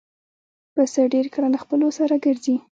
پسه ډېر کله له خپلو سره ګرځي.